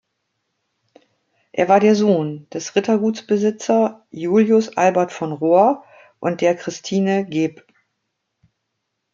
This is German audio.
Er war der Sohn des Rittergutsbesitzer Julius Albert von Rohr und der Christine geb.